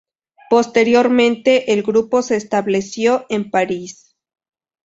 Posteriormente, el grupo se estableció en París.